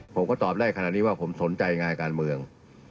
ผมก็ตอบได้ขนาดนี้ว่าผมสนใจงานการเมือง